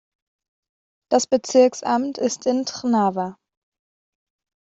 Das Bezirksamt ist in Trnava.